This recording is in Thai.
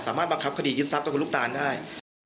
บังคับคดียึดทรัพย์กับคุณลูกตานได้